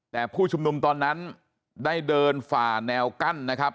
แต่ผู้ชุมนุมตอนนั้นได้เดินฝ่าแนวกั้นนะครับ